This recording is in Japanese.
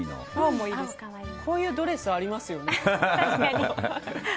こういうドレスありますよね。